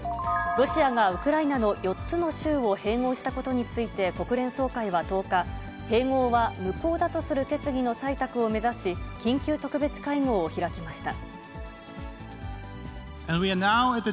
ロシアがウクライナの４つの州を併合したことについて、国連総会は１０日、併合は無効だとする決議の採択を目指し、緊急特別会合を開きました。